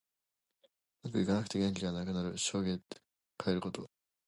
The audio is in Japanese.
うまくいかなくて元気がなくなる。しょげかえること。